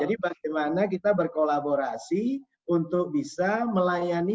jadi bagaimana kita berkolaborasi untuk bisa mencapai kemampuan yang sangat penting